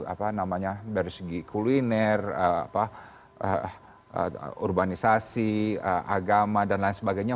apa namanya dari segi kuliner urbanisasi agama dan lain sebagainya